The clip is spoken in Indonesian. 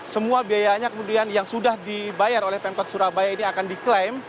semua biayanya kemudian yang sudah dibayar oleh pemkot surabaya ini akan diklaim